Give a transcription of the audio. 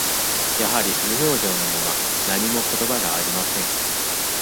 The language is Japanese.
やはり無表情のまま、何もことばがありません。